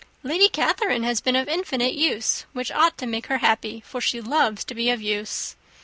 "Lady Catherine has been of infinite use, which ought to make her happy, for she loves to be of use.